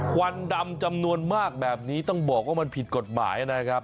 ควันดำจำนวนมากแบบนี้ต้องบอกว่ามันผิดกฎหมายนะครับ